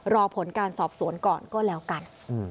รอผลการสอบสวนก่อนก็แล้วกัน